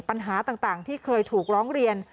ปัญหาต่างที่เคยถูกร้องเรียน